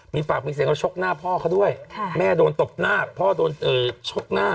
มีปากมีเสียงเขาชกหน้าพ่อเขาด้วยแม่โดนตบหน้าพ่อโดนชกหน้า